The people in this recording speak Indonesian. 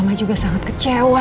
mama juga sangat kecewa